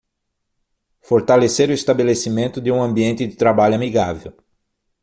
Fortalecer o estabelecimento de um ambiente de trabalho amigável